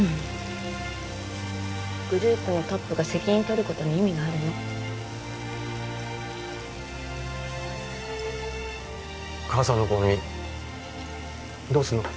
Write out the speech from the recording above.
グループのトップが責任とることに意味があるの母さんの後任どうすんの？